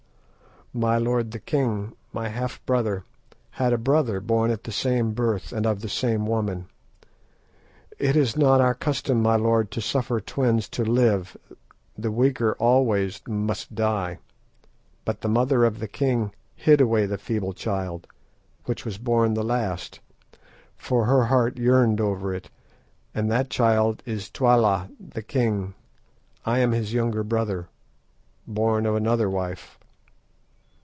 "My lord the king, my half brother, had a brother born at the same birth, and of the same woman. It is not our custom, my lord, to suffer twins to live; the weaker must always die. But the mother of the king hid away the feebler child, which was born the last, for her heart yearned over it, and that child is Twala the king. I am his younger brother, born of another wife."